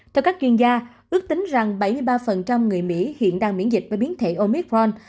theo các chuyên gia ước tính rằng bảy mươi ba người mỹ hiện đang miễn dịch với biến thể omithron